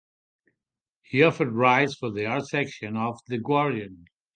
He often writes for the arts section of "The Guardian".